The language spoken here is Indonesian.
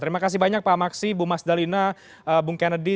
terima kasih banyak pak maksi bu mas dalina bung kennedy